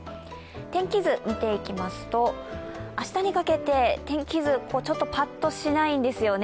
天気図を見ていきますと、明日にかけて天気図、パッとしないんですよね。